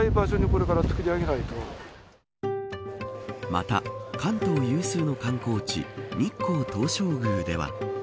また、関東有数の観光地日光東照宮では。